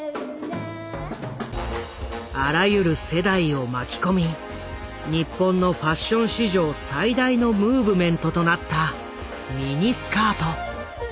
あらゆる世代を巻き込み日本のファッション史上最大のムーブメントとなったミニスカート。